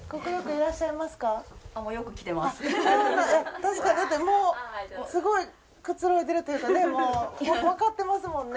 確かにだってもうすごいくつろいでるというかねもうわかってますもんね。